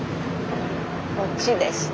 こっちですね。